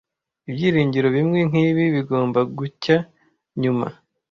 Ibyiringiro bimwe nkibi bigomba gucya nyuma,